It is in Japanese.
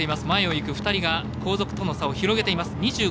前を行く２人が後続との差を広げています。